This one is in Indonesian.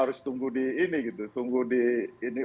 harus tunggu di ini gitu tunggu di ini